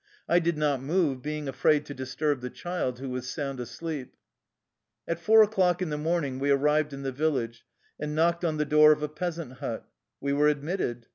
I did not move, being afraid to disturb the child, who was sound asleep. At four o'clock in the morning we arrived in the village, and knocked on the door of a peasant hut. We were admitted.